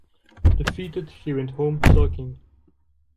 Defeated, she went home sulking.